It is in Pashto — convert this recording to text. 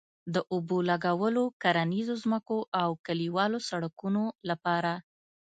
د اوبه لګولو، کرنيزو ځمکو او کلیوالو سړکونو لپاره